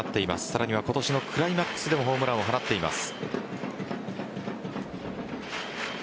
さらには今年のクライマックスでもホームランを放っています。